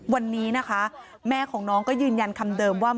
วันนี้นะคะแม่ของน้องก็ยืนยันคำเดิมว่า